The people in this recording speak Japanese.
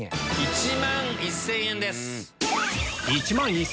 １万１０００円です。